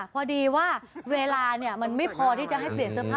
พอดีว่าเวลามันไม่พอที่จะให้เปลี่ยนเสื้อผ้า